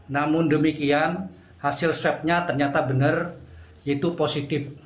namun demikian hasil swab nya ternyata benar itu positif